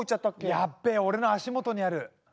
やっべえ俺の足元にある。